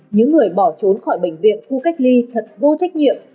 những người bỏ trốn khỏi bệnh viện khu cách ly thật vô trách nhiệm